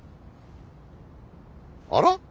あら？